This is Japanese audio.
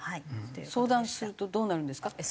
１８８？相談するとどうなるんですか？